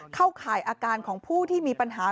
ข่ายอาการของผู้ที่มีปัญหา